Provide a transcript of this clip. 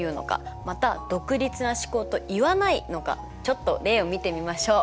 また「独立な試行」と言わないのかちょっと例を見てみましょう。